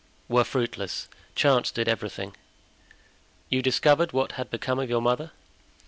"Were fruitless; chance did everything." "You discovered what had become of your mother?"